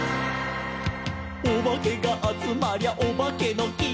「おばけがあつまりゃおばけのき」